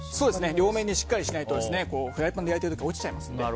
両面にしっかりしないとフライパンで焼いている時に落ちちゃいますので。